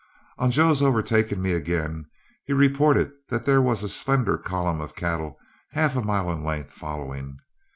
On Joe's overtaking me again, he reported that there was a slender column of cattle, half a mile in length, following.